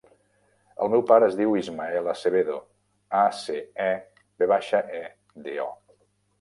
El meu pare es diu Ismael Acevedo: a, ce, e, ve baixa, e, de, o.